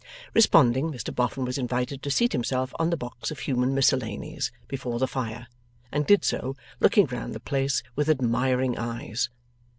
Responding, Mr Boffin was invited to seat himself on the box of human miscellanies before the fire, and did so, looking round the place with admiring eyes.